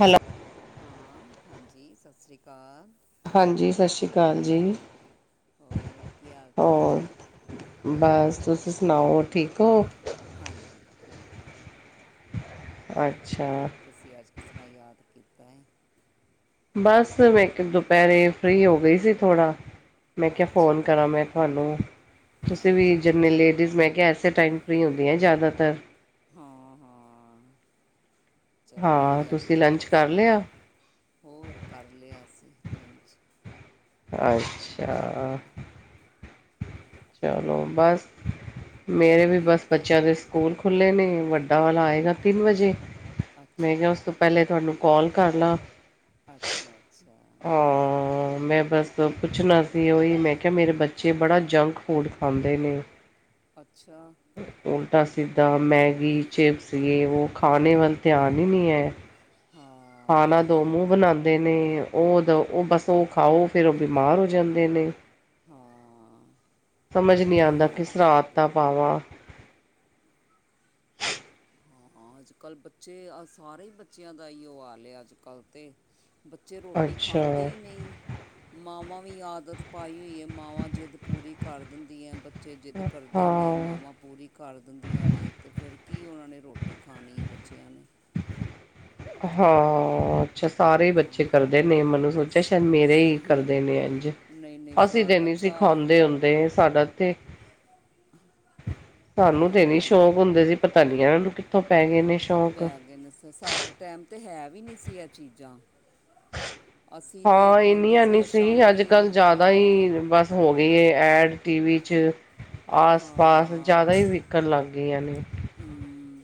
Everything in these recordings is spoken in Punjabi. ਹੈਲੋ ਹਾਂ ਹਾਂਜੀ ਸਸ ਸ਼੍ਰੀ ਕਾਲ। ਹਾਂਜੀ ਸਸ ਸ਼੍ਰੀ ਕਾਲ ਜੀ, ਹੋਰ ਕੀ ਹਾਲ ਚਾਲ ਹੈ ਹੋਰ ਬਸ ਤੁਸੀਂ ਸੁਣਾਓ ਠੀਕ ਓ। ਹਾਂਜੀ ਠੀਕ ਆ। ਅੱਛਾ ਤੁਸੀਂ ਅੱਜ ਕਿਸ ਤਰ੍ਹਾਂ ਯਾਦ ਕੀਤਾ ਐ। ਬਸ ਮੈਂ ਕਿ ਦੁਪਹਿਰੇ ਫ੍ਰਰੀ ਹੋ ਗਈ ਸੀ ਥੋੜਾ। ਮੈਂ ਕਿਹਾ ਫੋਨ ਅੱਛਾ ਕਰਾਂ ਮੈਂ ਤੁਹਾਨੂੰ ਤੁਸੀਂ ਵੀ ਅੱਛਾ ਜਿੰਨੇ ਅੱਛਾ ਲੇਡੀਜ਼ ਮੈਂ ਕਿਹਾ ਐੇਸੇ ਟਾਈਮ ਫਰੀ ਹੁੰਦੀਆਂ ਜ਼ਿਆਦਾਤਰ। ਹਾਂ ਹਾਂ। ਚਲੋ ਹਾਂ ਵਧੀਆ ਤੁਸੀਂ ਕੀਤਾ ਲੰਚ ਕਰ ਤੁਸੀਂ। ਲਿਆ ਹੋਰ ਕਰ ਲਿਆ ਅਸੀਂ ਲੰਚ। ਹਾਂ ਅੱਛਾ ਚਲੋ ਬਸ, ਮੇਰੇ ਵੀ ਕੀ ਬਸ ਬੱਚਿਆਂ ਦੇ ਸਕੂਲ ਖੁੱਲ੍ਹੇ ਨੇ ਵੱਡਾ ਵਾਲਾ ਆਏਗਾ ਤਿੰਨ ਵਜੇ ਮੈਂ ਅੱਛਾ ਕਿਆ ਉਸ ਤੋਂ ਪਹਿਲੇ ਤੁਹਾਨੂੰ ਕੋਲ ਕਰ ਲਾਂ। ਅੱਛਾ ਅੱਛਾ। ਹਾਂ ਮੈਂ ਬਸ ਪੁੱਛਣਾ ਸੀ ਉਹੀ ਮੈਂ ਕਿਹਾ ਮੇਰੇ ਬੱਚੇ ਬੜਾ ਜੰਕ ਫੂਡ ਖਾਂਦੇ ਨੇ। ਅੱਛਾ ਉਲਟਾ ਸਿੱਧਾ, ਮੈਗੀ ਚਿਪਸ ਯ-ਵੋ ਖਾਣੇ ਵੱਲ ਧਿਆਨ ਈ ਨਈ ਐ। [inaudible] ਹਾਂ ਖਾਣਾ ਦੋ ਮੂੰਹ ਬਣਾਉਂਦੇ ਨੇ ਉਹ ਦ ਉਹ ਬਸੋ ਖਾਓ ਫਿਰ ਉਹ ਬਿਮਾਰ ਹੋ ਜਾਂਦੇ ਨੇ ਹਾਂ ਸਮਝ ਨਹੀਂ ਆਦਾ ਖਾਣਾ ਕਿਸ ਤਰਾਂ ਚਾਹੀਦਾ ਆਦਤਾਂ ਪਾਵਾਂ ਹਾਂ ਅੱਜ ਕੱਲ੍ਹ ਬੱਚੇ ਸਾਰੇ ਹੀ ਬੱਚਿਆਂ ਦਾ ਇਹੀਓ ਹਾਲ ਏ ਅੱਜ ਕੱਲ੍ਹ ਤੇ ਬੱਚੇ ਰੋਟੀ ਅੱਛਾ ਖਾਂਦੇ ਹੀ ਨਹੀਂ ਮਾਵਾਂ ਵੀ ਆਦਤ ਪਾਈ ਹੋਈ ਹੈ ਮਾਵਾਂ ਜਿੱਦ ਪੂਰੀ ਕਰ ਦਿੰਦੀ ਹੈ ਬ ਬੱਚੇ ਜਿੱਦ ਕਰਦੇ ਨੇ ਹਾਂ ਮਾਵਾਂ ਪੂਰੀ ਕਰ ਦਿੰਦੀਆਂ ਨੇ ਤੇ ਫਿਰ ਕੀ ਕੀ ਉਹਨਾਂ ਨੇ ਰੋਟੀ ਖਾਣੀ ਹੈ ਬੱਚਿਆਂ ਨੇ ਹਾਂ ਅੱਛਾ ਸਾਰੇ ਹੀ ਬੱਚੇ ਹਾਂ ਕਰਦੇ ਨੇ ਮੈਨੂੰ ਸੋਚਿਆ ਸ਼ਾਇਦ ਸ- ਮੇਰੇ ਹੀ ਸ- ਹਮ। ਕਰਦੇ ਨੇ ਇੰਜ ਨਹੀਂ ਨਹੀਂ ਅਸੀਂ ਸਾਰ ਤੇ ਨਈ ਅੱਛਾ ਸਿਖਾਉਦੇ ਹੁੰਦੇ ਸਾਡਾ ਇਥੇ ਸਾਨੂੰ ਤੇ ਨੀ ਹਾਂ ਸ਼ੌਕ ਹੁੰਦੇ ਸੀ ਪਤਾ ਨੀ ਇਹਨਾਂ ਨੂੰ ਕਿੱਥੋਂ ਪੈ ਗਏ ਨੇ ਸ਼ੌਕ ਪੈ ਗਏ ਨੇ ਸਾਡੇ ਟਾਈਮ ਤੇ ਹੈ ਵੀ ਨਹੀ ਸੀ ਇਹ ਚੀਜ਼ਾਂ ਅਸੀਂ ਤੇ ਹਾਂ ਇੰਨੀ ਖਾਂਦੇ ਨੀ ਆ ਸੀ ਅੱਜ ਕੱਲ ਸ਼ਾਮੀ ਜ਼ਿਆਦਾ ਹਾਂ ਹੀ ਬਸ ਹੋ ਗਈ ਹੈ ਐਡ ਟੀ ਵੀ ਚ ਆਸ ਪਾਸ ਹਾਂ ਜ਼ਿਆਦਾ ਹੀ ਕਰਨ ਲੱਗ ਗਈਆਂ ਨੇ ਹੂੰ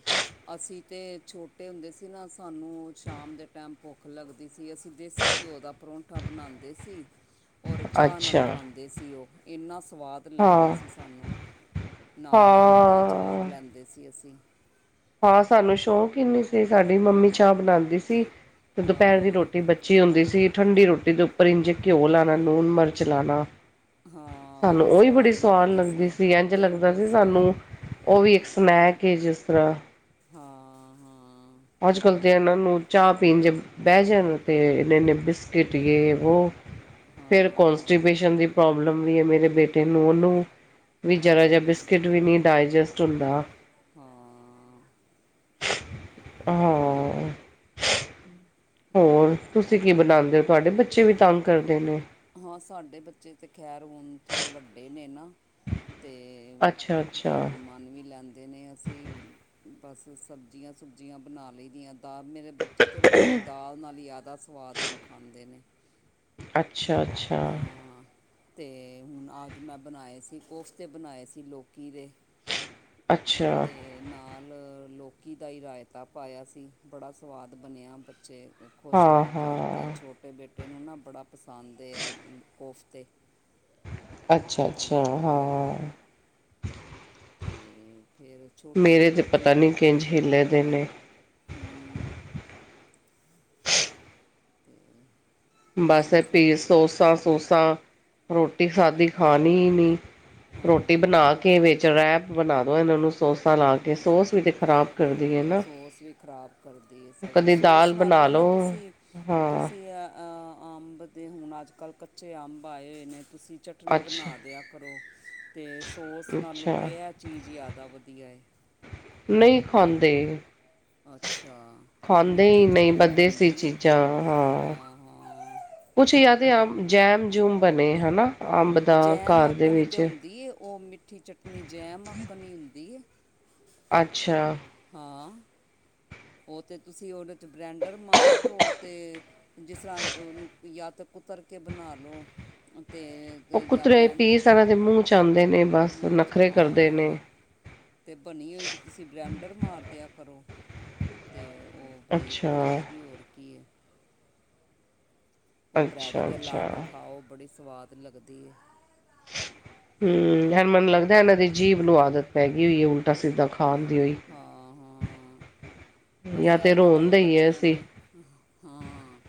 ਅਸੀਂ ਤੇ ਛੋਟੇ ਹੁੰਦੇ ਸੀ ਨਾ ਸਾਨੂੰ ਸ਼ਾਮ ਦੇ ਟਾਈਮ ਭੁੱਖ ਲੱਗਦੀ ਸੀ ਅਸੀਂ ਦੇਸੀ ਘਿਓ ਦਾ ਪਰੌਂਠਾ ਬਣਾਉਂਦੇ ਸੀ ਹ ਔਰ ਚਾਹ ਨਾਲ ਖਾਂਦੇ ਸੀ ਉਹ ਇੰਨਾ ਸਵਾਦ ਲੱਗਦਾ ਹਾਂ ਸੀ ਸਾਨੂੰ ਨਾਲ ਅੰਬ ਦਾ ਅਚਾਰ ਹਾਂ ਲੈਂਦੇ ਸੀ ਅਸੀਂ ਹਾਂ ਸਾਨੂੰ ਸ਼ੌਕ ਹੀ ਨੀ ਸੀ ਸਾਡੀ ਮੰਮੀ ਚਾਹ ਬਣਾਉਂਦੀ ਸੀ ਤੇ ਦੁਪਹਿਰ ਦੀ ਹਾਂ ਰੋਟੀ ਬ ਚੀ ਹੁੰਦੀ ਸੀ ਠੰਡੀ ਰੋਟੀ ਦੇ ਉੱਪਰ ਇੰਝੇ ਘਿਓ ਲਾਉਣਾ ਲੂਣ ਮਿਰਚ ਲਾਉਣਾ ਹਾਂ ਉਹ ਸਾਨੂੰ ਵੀ ਓਹੀ ਬੜੀ ਸਵਾਦ ਲੱਗਦੀ ਸੀ ਇੰਝ ਉਹ ਵੀ ਲੱਗਦਾ ਬਹੁਤ ਸੀ ਸਵਾਦ ਸਾਨੂੰ ਉਹ ਵੀ ਇੱਕ ਸਨੈਕ ਏ ਜਿਸ ਤਰ੍ਹਾਂ ਹਾਂ ਹਾਂ ਅੱਜ ਕਲ ਤੇ ਇਹਨਾਂ ਨੂੰ ਚਾਹ ਪੀਣ ਜੇ ਬਹਿ ਜਾਣ ਤੇ ਇੰਨੇ ਇੰਨੇ ਬਿਸ ਕਿਟ ਯੇ ਵੋ ਫਿਰ ਹਾਂ ਕੋਨਸਟੀਪੇਸ਼ਨ ਦੀ ਪ੍ਰੋਬਲਮ ਵੀ ਹੈ ਮੇਰੇ ਬੇਟੇ ਨੂੰ ਉਹਨੂੰ ਵੀ ਜ਼ਰਾ ਜਿਹਾ ਹਾਂ ਬਿਸ ਕਿਟ ਵੀ ਨਹੀਂ ਡਾਇਜੈਸਟ ਹੁੰਦਾ ਹਾਂ ਹਾਂ ਹੋਰ ਤੁਸੀ ਕੀ ਬਣਾਦੇ ਓ ਤੁਹਾਡੇ ਬੱਚੇ ਵੀ ਤੰਗ ਕਰਦੇ ਨੇ। ਹਾਂ ਸਾਡੇ ਬੱਚੇ ਤੇ ਖੈਰ ਹੁਨ ਥੋੜ੍ਹੇ ਵੱਡੇ ਨੇ ਨਾ ਤੇ ਅੱਛਾ ਅੱਛਾ ਕਹਿਨਾ ਮਨ ਮਨ ਵੀ ਲੈਂਦੇ ਨੇ ਅਸੀਂ ਬਸ ਸਬਜ਼ੀਆਂ ਸੁਬਜ਼ੀਆਂ ਬਣਾ ਲਈ ਦੀਆਂ ਦਾਲ ਮੇਰੇ ਬੱਚੇ ਤੇ ਰੋਟੀ ਦਾਲ ਨਾਲ ਹੀ ਜ਼ਿਆਦਾ ਸਵਾਦ ਨਾਲ ਖਾਂਦੇ ਨੇ ਅੱਛਾ ਅੱਛਾ ਹਾਂ ਤੇ ਹੁਣ ਅੱਜ ਮੈਂ ਬਣਾਏ ਸੀ ਕੋਫਤੇ ਬਣਾਏ ਸੀ ਲੋਕੀ ਦੇ ਅੱਛਾ ਅਤੇ ਨਾਲ ਲੋਕੀ ਦਾ ਹੀ ਰਾਇਤਾ ਪਾਇਆ ਸੀ ਬੜਾ ਸਵਾਦ ਬਣਿਆ ਬੱਚੇ ਖੁਸ਼ ਹੋ ਹਾਂ ਕੇ ਖਾਂਦੇ ਹਾਂ ਛੋਟੇ ਬੇਟੇ ਨੂੰ ਨਾ ਬੜਾ ਪਸੰਦ ਆ ਕੋਫਤੇ ਅੱਛਾ ਤੇ ਅੱਛਾ ਹਾਂ ਤੇ ਫਿਰ ਛੋਟੀ ਜਿਹੀ ਮੇਰੇ ਤੇ ਲੋਕੀ ਪਤਾ ਹੂੰ ਨਹੀਂ ਕਿੰਝ ਹਿੱਲੇ ਦੇ ਨੇ ਤੇ ਬਸ ਅਸੀਂ ਐ ਪੇ ਸਾਡੇ ਸੌਸਾ ਸੋਸਾ, ਰੋਟੀ ਸਾਦੀ ਖਾਦੀ ਹੀ ਨੀ ਰੋਟੀ ਬਣਾ ਹਾਂ ਕੇ ਵਿੱਚ ਰਹਿਪ ਬਣਾ ਦੋ ਇਹਨਾਂ ਨੂੰ ਸੋਸਾ ਲਾ ਕੇ, ਸੋਸ ਵੀ ਤੇ ਖ਼ਰਾਬ ਕਰਦੀ ਐ ਨਾ ਸੋਸ ਵੀ ਖ਼ਰਾਬ ਕਰਦੀ ਹੈ ਸਹੀ, ਕਦੇ ਦਾਲ ਸੋਸ ਬਣਾ ਨਾਲੋ ਨਾ ਲਓ ਤੁਸੀਂ ਹਾਂ ਤੁਸੀਂ ਏ ਅੰਬ ਤੇ ਹੁਣ ਅੱਜ ਕੱਲ੍ਹ ਕੱਚੇ ਅੰਬ ਆਏ ਹੋਏ ਨੇ, ਤੁਸੀਂ ਚਟਨੀ ਅੱਛਾ ਬਣਾ ਦਿਆ ਕਰੋ ਤੇ ਸੋਸ ਨਾਲੋਂ ਅੱਛਾ ਤਾਂ ਇਹ ਚੀਜ਼ ਜ਼ਿਆਦਾ ਵਧੀਆ ਹੈ ਨਹੀਂ ਖਾਂਦੇ ਅੱਛਾ ਖਾਂਦੇ ਮਿੱਠੀ ਹੀ ਨਹੀਂ, ਪਰ ਚਟਨੀ ਦੇਸੀ ਬਣਦੀ ਹੈ ਚੀਜ਼ਾਂ ਹਾਂ ਕੁਛ ਯਾ ਤੇ ਆਮ ਜੈਮ ਜੂਮ ਬਣੇ ਹੈਨਾ ਜੈਮ ਆੱਕਣ ਈ ਤੇ ਹੁੰਦੀ ਐ ਉਹ ਮਿੱਠੀ ਚਟਨੀ, ਜੈਮ ਆੱਕਣ ਈ ਹੁੰਦੀ ਐ ਅੱਛਾ ਹਾਂ ਉਹ ਤੇ ਤੁਸੀਂ ਔਦੇ ਤੇ ਬਰੈਂਡਰ ਮਾਰ ਦੋ, ਤੇ ਜਿਸ ਤਰ੍ਹਾਂ ਉਹਨੂੰ ਯਾ ਤੇ ਕੁਤਰ ਕੇ ਬਣਾ ਲਉ ਅਤੇ ਉਹ ਕੁਤਰੇ ਪੀਸ ਏਨਾ ਦੇ ਮੂੰਹ ਚ ਆਉਂਦੇ ਨੇ, ਬਸ ਨਖਰੇ ਕਰਦੇ ਨੇ ਅਤੇ ਬਣੀ ਹੋਈ ਚ ਤੁਸੀਂ ਬ੍ਰੈਂਡਰ ਮਾਰ ਦਿਆ ਕਰੋ, ਤੇ ਉਹ ਬਰੀਕ ਅੱਛਾ ਹੋ ਜਾਏਗੀ ਹੋਰ ਕੀ ਹੈ ਉਹ ਬ੍ਰੈਡ ਅੱਛਾ ਤੇ ਲਾ ਕੇ ਅੱਛਾ ਖਾਓ, ਬੜੀ ਸਵਾਦ ਲੱਗਦੀ ਐ ਹੂ, ਐ ਮੈਨੂੰ ਲੱਗਦਾ ਇਹਨਾਂ ਦੀ ਜੀਭ ਨੂੰ ਆਦਤ ਪੈ ਗਈ ਹੋਈ ਹੈ, ਉਲਟਾ ਸਿੱਧਾ ਖਾਣ ਦੀ ਹੋਈ। ਹਾਂ ਹਾਂ ਬਸ ਜਾਂ ਇਹ ਤੇ ਏ ਨਾ ਰੋਣ ਜੋ ਦੇ ਹੀ ਹੈ ਬੱਚਿਆਂ ਅਸੀਂ ਨੂੰ ਹਾਂ,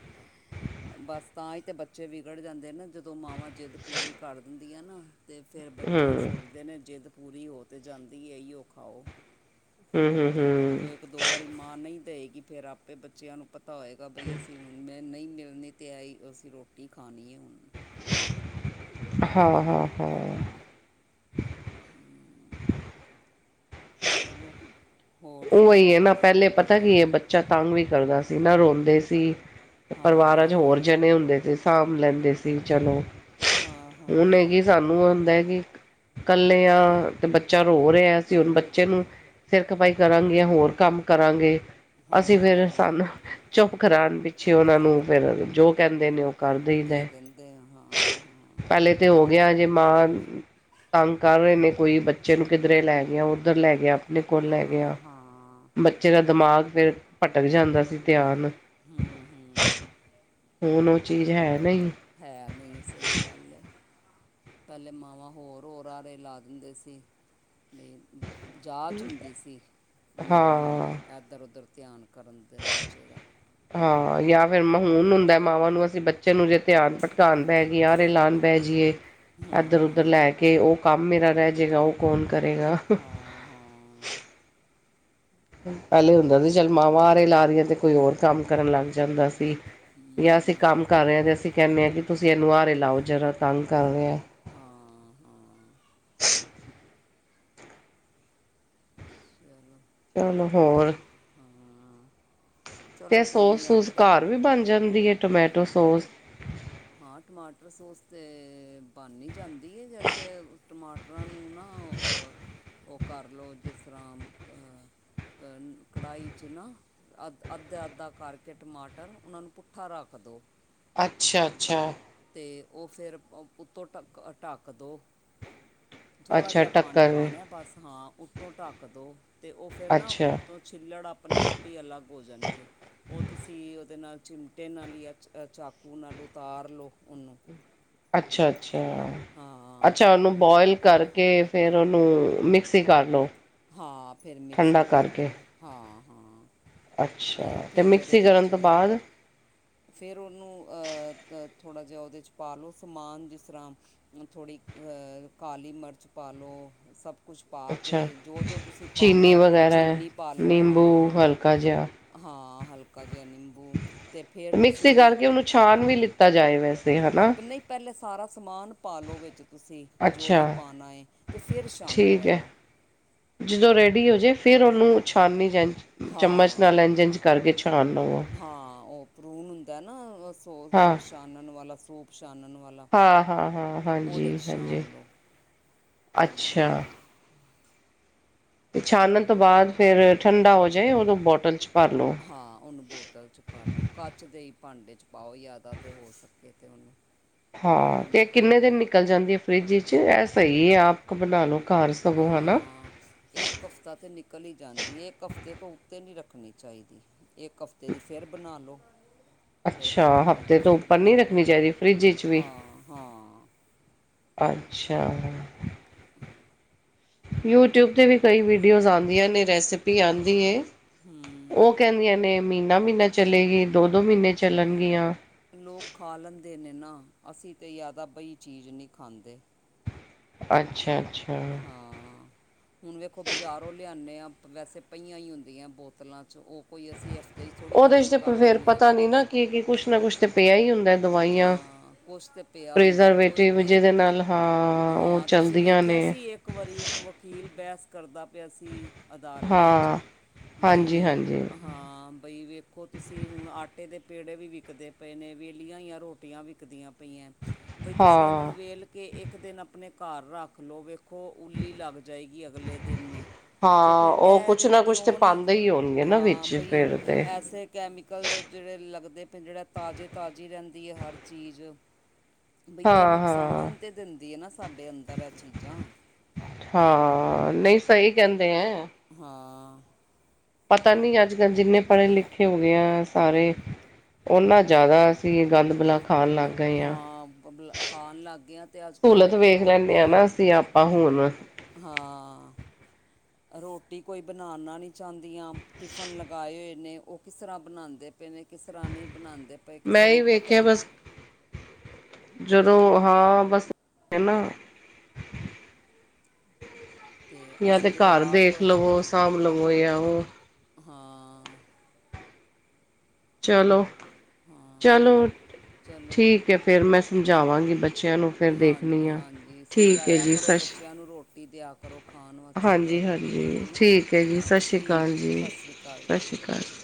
ਬਸ ਤਾਂ ਹੀ ਤੇ ਬੱਚੇ ਵਿਗੜ ਜਾਂਦੇ ਨਾ ਜਦੋਂ ਮਾਵਾਂ ਜਿੱਦ ਪੂਰੀ ਕਰ ਦਿੰਦੀ ਆ ਨਾ, ਤੇ ਫਿਰ ਬੱਚੇ ਹੂੰ, ਸੋਚਦੇ ਨੇ ਜਿੱਦ ਪੂਰੀ ਹੋ ਤੇ ਜਾਂਦੇ ਹੀ ਇਓ ਖਾਓ ਹੂੰ, ਹੂੰ, ਤੇ ਜਦੋਂ ਹੂੰ ਇੱਕ ਦੋ ਵਾਰੀ ਮਾਂ ਨਹੀਂ ਦੇਏਗੀ ਫੇਰ ਆਪੇ ਬੱਚਿਆਂ ਨੂੰ ਪਤਾ ਹੋਏਗਾ, ਬਈ ਅਸੀਂ ਮੈਂ ਨਹੀਂ ਮਿਲਣੀ ਤੇ ਆਈ ਅਸੀਂ ਰੋਟੀ ਖਾਣੀ ਹੈ ਹੁਣ ਹਾਂ ਹਾਂ ਹਾਂ [unintelligible] ਹੂ ਚਲੋ। ਹੋਰ ਉਹੀ ਸੁਣਾਓ ਹੈ ਨਾ ਤੁਸੀਂ? ਪਹਿਲੇ ਪਤਾ ਕੀ ਹਾਂ ਹੈ, ਬੱਚੇ ਬਚਾ ਤੰਗ ਵੀ ਕਰਦਾ ਸੀ ਨਾ ਰੋਂਦੇ ਸੀ, ਪਰਿਵਾਰਾਂ ਚ ਹੋਰ ਹਾਂ ਜਣੇ ਹੁੰਦੇ ਸੀ ਸਾਂਭ ਲੈਂਦੇ ਸੀ ਚਲੋ, ਹਾਂ ਹੁਣ ਹੈ ਕਿ ਹਾਂ ਸਾਨੂੰ ਹੁੰਦਾ ਹੈ, ਕਿ ਕੱਲੇ ਆਂ, ਤੇ ਬੱਚਾ ਰੋ ਰਿਹਾ ਅਸੀ ਹੁਣ ਬੱਚੇ ਨੂੰ, ਸਿਰ ਖਪਾਈ ਕਰਾਂਗੇ ਯਾ ਹੋਰ ਕੰਮ ਕਰਾਂਗੇ, ਅਸੀਂ ਹਾਂ ਫੇਰ ਹਾਂ ਸਾਨੂੰ ਚੁੱਪ ਕਰਾਉਨ ਪਿੱਛੇ ਉਹਨਾਂ ਨੂੰ ਫੇਰ ਜੋ ਕਹਿੰਦੇ ਨੇ ਉਹ ਕਰ ਦੇ ਦਿੰਦੇ ਆ ਹਾਂ, ਹਾਂ। ਹਲੇ ਤੇ ਹੋ ਗਿਆ, ਜੇ ਮਾਂ ਤੰਗ ਕਰ ਰਹੇ ਨੇ, ਕੋਈ ਬੱਚੇ ਨੂੰ ਕਿੱਧਰੇ ਲੈ ਗਿਆ ਉੱਧਰ ਲੈ ਗਿਆ। ਆਪਣੇ ਕੋਲ ਲੈ ਗਿਆ, ਹਾਂ ਹਾਂ ਬੱਚੇ ਦਾ ਦਿਮਾਗ ਫੇਰ ਭਟਕ ਜਾਂਦਾ ਸੀ ਧਿਆਨ। ਹੂ ਹੂ ਹੁਣ ਉਹ ਚੀਜ਼ ਹੈ ਨਹੀਂ। ਹੈ ਨਹੀਂ ਸਹੀ ਗੱਲ ਐ ਪਹਿਲੇਂ ਮਾਵਾਂ ਹੋਰ-ਹੋਰ ਆਰੇ ਲਾ ਦਿੰਦੇ ਸੀ। ਥੇਰ ਜਾਚ ਹੁੰਦੀ ਸੀ, ਮਾਵਾਂ ਨੂੰ ਵੀ ਹਾਂ ਐਧਰ -ਓਧਰ ਧਿਆਂਨ ਕਰਨ ਤੇ ਬੱਚੇ ਦਾ। ਹਾਂ ਯਾ ਫੇਰ ਤੇ ਮਹੂਨਂ ਹੁੰਦਾ। ਮਾਵਾਂ ਨੂੰ ਅਸੀਂ ਬੱਚੇ ਨੂੰ ਜੇ ਧਿਆਨ ਭਟਕਾਣ ਬਹਿ ਗਏ ਆਰੇ ਲਾਣ ਬਹਿ ਜੀਏ, ਇੱਧਰ ਉਧਰ ਹਾਂ ਲੈ ਕੇ ਉਹ ਕੰਮ ਮੇਰਾ ਰਹਿ ਜੇਗਾ ਉਹ ਕੌਣ ਕਰੇਗਾ। ਹਾਂ, ਹਾ ਪਹਿਲੇ ਹੁੰਦਾ ਸੀ ਚੱਲ ਮਾਵਾ ਆਰੇ ਲਾ ਰਹੀਆਂ ਅਤੇ ਕੋਈ ਹੋਰ ਕੰਮ ਕਰਨ ਲੱਗ ਜਾਂਦਾ ਸੀ। ਯਾ ਅਸੀਂ ਹਮ, ਕੰਮ ਕਰ ਰਹੇ ਆ ਤੇ ਅਸੀਂ ਕਹਿੰਨੇ ਆ ਕਿ ਤੁਸੀਂ ਇਹਨੂੰ ਆਹਰੇ ਲਾਓ ਜਰਾ ਤੰਗ ਕਰ ਰਿਹਾ। ਹਾਂ ਹਾਂ। [unintelligible] ਚਲੋ ਹੋਰ ਹਾਂ ਚਲੋ ਤੇ ਕੋਈ ਨਹੀਂ ਸੋਸ-ਸੂਸ ਆਪੇ ਘਰ ਵੀ ਬਣ ਜਾਂਦੀ ਐ ਟਮੈਟੋ ਸੋਸ? ਹਾਂ ਟਮਾਟਰ ਸੋਸ ਤੇ ਬਣ ਹੀ ਜਾਂਦੀ ਐ ਜੈਸੇ ਟਮਾਟਰਾਂ ਨੂੰ ਨਾ ਤਾਂ ਉਹ, ਉਹ ਕਰ ਲਉ ਜਿਸ ਤਰਾਂ ਕ ਕੜਾਹੀ 'ਚ ਨਾਂ ਅੱਧ ਅੱਧਾ-ਅੱਧਾ ਕਰਕੇ ਟਮਾਟਰ ਉਹਨਾਂ ਨੂੰ ਪੁੱਠਾ ਰੱਖ ਦੋ। ਅੱਛਾ-ਅੱਛਾ। ਤੇ ਉਹ ਫਿਰ ਉੱਤੋਂ ਢੱਕ ਢੱਕ ਦੋ। ਥੋੜਾ ਅੱਛਾ ਜਿਹਾ ਪਾਣੀ ਟੱਕਰ ਪਾਣਾ ਬਸ ਹਾਂ ਉੱਤੋਂ ਢੱਕ ਦੋ, ਤੇ ਉਹ ਫੇਰ ਨਾ ਅੱਛਾ ਉੱਤੋਂ ਛਿੱਲੜ ਆਪਣੇ ਆਪ ਈ ਅਲੱਗ ਹੋ ਜਾਣਗੇ। ਉਹ ਤੁਸੀਂ ਉਹਦੇ ਨਾਲ ਚਿਮਟੇ ਨਾਲ ਜਾਂ ਚਾਕੂ ਨਾਲ ਉਤਾਰ ਲਓ ਉਹਨੂੰ। ਅੱਛਾ-ਅੱਛਾ, ਹਾਂ ਅੱਛਾ ਉਹਨੂੰ ਬੋਇਲ ਕਰਕੇ ਫੇਰ ਉਹਨੂੰ ਮਿਕਸੀ ਕਰਲੋ। ਹਾਂ ਫੇਰ ਮਿਕਸੀ ਕਰ ਲਓ, ਹਾਂ-ਹਾਂ। ਅੱਛਾ, ਤੇ ਮਿਕਸੀ ਕਰਨ ਤੋਂ ਬਾਅਦ ਫੇਰ ਉਹਨੂੰ ਅਹ ਥੋੜਾ ਜਾ ਉਹਦੇ 'ਚ ਪਾ ਲਓ ਸਮਾਨ ਜਿਸ ਤਰਾ ਥੋੜੀ ਕਾਲੀ ਮਿਰਚ ਪਾ ਲਓ ਸਭ ਕੁਛ ਪਾ ਅੱਛਾ ਕੇ ਜੋ-ਜੋ ਤੁਸੀਂ ਪਾਣਾ ਚੀਨੀ ਐ ਥੋੜੀ ਵਗੈਰਾ ਹੈ, ਚੀਨੀ ਪਾ ਲਉ ਨਿੰਬੂ ਹਾਂ-ਹਾਂ। ਹਲਕਾ ਜਿਹਾ ਹਾਂ ਹਲਕਾ ਜਿਹਾ ਨਿੰਬੂ। ਅਤੇ ਫਿਰ ਮਿਕਸੀ ਤੁਸੀਂ ਕਰਕੇ ਉਹਨੂੰ ਛਾਣ ਵੀ ਲਿੱਤਾ ਜਾਏ ਵੈਸੇ ਹਾਂ ਹਨਾ। ਪ- ਨਹੀਂ ਪਹਿਲੇ ਸਾਰਾ ਸਮਾਨ ਪਾ ਲਓ ਵਿੱਚ ਤੁਸੀਂ, ਜੋ ਅੱਛਾ ਵੀ ਪਾਣਾ ਐ ਤੇ ਫੇਰ ਛਾਨੋ ਠੀਕ ਹੈ ਇਹਨੂੰ। ਜਦੋਂ ਰੈਡੀ ਹੋ ਜੇ ਫੇਰ ਉਹਨੂੰ ਛਾਨਨੀ ਜਾਂ ਚਮਚ ਨਾਲ ਹਾਂ ਇੰਝ-ਇੰਝ ਕਰਕੇ ਛਾਣਨਾ ਵਾ। ਹਾਂ ਉਹ ਭਰੂਣ ਹੁੰਦਾ ਨਾ ਅਸ ਉਹ ਹਾਂ ਉਹ ਛਾਨਣ ਵਾਲਾ ਸੂਪ ਛਾਨਣ ਵਾਲਾ, ਹਾਂ ਹਾਂ ਹਾਂ ਉਹਦੇ ਹਾਂਜੀ 'ਚ ਹਾਂਜੀ ਛਾਨ ਲਉ। ਅੱਛਾ। ਤੇ ਛਾਨਣ ਤੋਂ ਬਾਅਦ ਫਿਰ ਠੰਡਾ ਹੋ ਜੇ ਓਦੋਂ ਬੋਟਲ 'ਚ ਭਰ ਲੋ। ਹਾਂ ਉਹਨੂੰ ਬੋਤਲ 'ਚ ਭਰ ਲਓ ਕੱਚ ਦੇ ਈ ਭਾਂਡੇ 'ਚ ਪਾਓ ਜਿਆਦਾ ਤੇ ਹੋ ਸਕੇ ਤੇ ਉਹਨੂੰ। [inaudible] ਹਾਂ ਹੈ ਤੇ ਨਾ ਇਹ ਕਿੰਨੇ ਦਿਨ ਨਿਕਲ ਜਾਂਦੀ ਏ ਫਰਿੱਜ 'ਚ ਐ ਸ‌ਈ ਏ ਆਪ ਬਣਾ ਲੋ ਘਰ ਸਗੋਂ ਹਨਾ ਹਾਂ। ਇੱਕ ਹਫ਼ਤਾ ਤੇ ਨਿਕਲ ਈ ਜਾਂਦੀ ਏ ਇਕ ਹਫ਼ਤੇ ਤੋਂ ਉੱਤੇ ਨੀ ਰੱਖਣੀ ਚਾਈਦੀ। ਇੱਕ ਹਫਤੇ ਦੀ ਫਿਰ ਬਣਾ ਲੋ। ਫੇਰ ਅੱਛਾ ਖ਼ਤਮ ਹੋ ਜੇ ਹਫ਼ਤੇ ਤੋਂ ਫੇਰ ਉੱਪਰ ਬਣਾ ਨਹੀਂ ਲੋ ਰੱਖਣੀ ਚਾਹੀਦੀ ਫਰਿੱਜ ਵਿੱਚ ਵੀ ਹਾਂ ਹਾਂ। ਅੱਛਾ। ਯੂਟਿਊਬ ਤੇ ਵੀ ਕਈ ਵੀਡੀਓਜ਼ ਆਦੀਆਂ ਨੇ ਰੈਸਿਪੀ ਆਂਦੀ ਏ। ਹਮ। ਓ ਕਹਿੰਦਿਆਂ ਨੇ ਮਹੀਨਾ ਮਹੀਨਾ ਚਲੇਗੀ ਦੋ ਦੋ ਮਹੀਨੇ ਚੱਲਣਗੀਆਂ। ਲੋਕ ਖਾ ਲੈਂਦੇ ਨੇ ਨਾ ਅਸੀਂ ਤੇ ਜਿਆਦਾ ਬਈ ਚੀਜ਼ ਨੀ ਖਾਂਦੇ। ਅੱਛਾ ਅੱਛਾ। ਹਾਂ। ਹੁਣ ਵੇਖੋ ਬਾਜ਼ਾਰੋਂ ਲਿਆਣੇ ਆਂ ਵੈਸੇ ਪ‌ਈਆਂ ਈ ਹੁੰਦੀਆਂ ਬੋਤਲਾਂ ਚ ਓ ਕੋਈ ਅਸੀਂ ਹਫਤੇ ਚ ਥੋੜ੍ਹੀ ਓਦੇ ਚ ਖਤਮ ਤੇ ਕਰ ਫੇਰ ਦਿੰਦੇ ਆ ਪਤਾ ਨੀ ਨਾ ਕੀ ਕੀ ਕੁਛ ਨਾ ਕੁੱਛ ਤੇ ਪਿਆ ਈ ਹੁੰਦਾ ਦਵਾਈਆਂ ਹਾਂ ਕੁਛ ਤੇ ਪਿਆ ਹੁੰਦਾ ਉਹੀ ਪ੍ਰੀਜ਼ਰਵੇਟਿਵ ਤੇ ਜਿਦੇ ਨਾਲ ਹਾਂ ਓ ਹਾਂ ਤੁਸੀਂ ਵੇਖਿਆ ਸੀ ਇੱਕ ਵਾਰੀ ਇੱਕ ਵਕੀਲ ਬੈਸ ਕਰਦਾ ਪਿਆ ਸੀ। ਅਦਾਲਤ ਇਚ ਹਾਂ ਬਈ ਹਾਂਜੀ ਹਾਂਜੀ ਇਹ ਹਾਂ। ਬਈ ਵੇਖੋ ਤੁਸੀਂ ਹੁਣ ਆਟੇ ਦੇ ਪੇੜੇ ਵੀ ਵਿਕਦੇ ਪਏ ਨੇ ਵੇਲੀਆਂ ਓਈਆਂ ਰੋਟੀਆਂ ਵਿਕਦੀਆਂ ਪਈ ਪਈਐਂ ਬਈ ਤੁਸੀਂ ਏਨਾਂ ਹਾਂ ਨੂੰ ਵੇਲ ਕੇ ਇੱਕ ਦਿਨ ਆਪਣੇ ਘਰ ਰੱਖ ਲਓ ਵੇਖ ਵੇਖੋ ਉੱਲਲੀ ਲੱਗ ਜਾਏਗੀ ਅਗਲੇ ਦਿਨ ਹੀ। ਤੇ ਹਾਂ ਫੇਰ ਉਹ ਕੁਛ ਐਦੇ ਚ ਨਾ ਕੁਛ ਤੇ ਕਿਉਂ ਨੀ ਪਾਉਂਦੇ ਹੀ ਹੋਣਗੇ ਨਾ ਹਾਂ ਵਿੱਚ ਬਈ ਫਿਰ ਤੇ ਐਸੇ ਕੈਮੀਕਲ ਜੇੜੇ ਲੱਗਦੇ ਪਏ ਜੇੜਾ ਤਾਜ਼ੇ ਤਾਜ਼ੀ ਰੈਂਦੀ ਏ ਹਰ ਚੀਜ਼। ਬਈ ਏ ਹਾਂ ਹਾਂ ਨੁਕਸਾਨ ਤੇ ਦਿੰਦੀ ਏ ਨਾ ਸਾਡੇ ਅੰਦਰ ਏ ਚੀਜ਼ਾਂ। ਹਾਂ ਨਈ ਸ‌ਹੀ ਕੈਂਦੇ ਐਂ। ਹਾਂ। ਪਤਾ ਨੀ ਅੱਜ ਕੱਲ੍ਹ ਜਿੰਨੇ ਪੜ੍ਹੇ ਲਿਖੇ ਹੋ ਗੇ ਆਂ ਸਾਰੇ ਓਨਾ ਜਿਆਦਾ ਅਸੀਂ ਗੰਦ ਬਲਾ ਖਾਣ ਲੱਗ ਗਏ ਹਾਂ ਬਲਾ ਖਾਣ ਲੱਗ ਗੇ ਆਂ ਤੇ ਅੱਜ ਕੱਲ੍ਹ ਵੇਖੋ ਰੋਟੀ ਤੇ ਆਪਾ ਹੁਣ ਹਾਂ ਰੋਟੀ ਕੋਈ ਬਣਾਨਾ ਨੀ ਚਾਂਦੀਆਂ ਟਿਫਨ ਲਗਾਏ ਹੋਏ ਨੇ ਓ ਕਿਸ ਤਰ੍ਹਾਂ ਬਣਾਂਦੇ ਪਏ ਨੇ ਕਿਸ ਤਰ੍ਹਾਂ ਨਈ ਬਣਾਂਦੇ। ਮੈਂ ਏ ਈ ਵੇਖਿਆ ਬਸ ਜਦੋਂ ਹਾਂ ਬਸ ਐ ਨਾ ਯਾ ਤੇ ਅਸੀਂ ਜਦੋਂ ਘਰ ਆਪ ਦੇਖ ਲੋ ਸਾਂਭ ਲਵੋ ਯਾ ਓ। ਹਾਂ। ਚਲੋ ਹਾਂ ਚਲੋ ਚਲੋ ਠੀਕ ਏ ਫੇਰ ਮੈਂ ਸਮਝਾਵਾਂਗੀ ਬੱਚਿਆਂ ਨੂੰ। ਫਿਰ ਹਾਂਜੀ ਦੇਖਣੀ ਆ ਹਾਂਜੀ ਠੀਕ ਹੈ ਸਮਝਾਇਆ ਜੀ ਕਰੋ ਸਤਿ ਸ਼੍ਰੀ ਬੱਚਿਆਂ ਨੂੰ ਰੋਟੀ ਦਿਆ ਕਰੋ ਖਾਣ ਵਾਸ ਹਾਂਜੀ [unintelligible] ਜਿੰਨ ਹਾਂਜੀ ਹੈਨਾ ਠੀਕ ਹੈ ਜੀ ਸਤਿ ਹਾਂ ਸ਼੍ਰੀ ਅਕਾਲ ਠੀਕ ਏ ਜੀ ਸਤਿ ਸ਼੍ਰੀ ਅਕਾਲ ਸਤਿ ਜੀ। ਸ਼੍ਰੀ ਅਕਾਲ